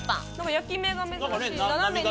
焼き目が珍しい斜めに。